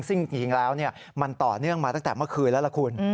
ซึ่งจริงแล้วมันต่อเนื่องมาตั้งแต่เมื่อคืนแล้วล่ะคุณ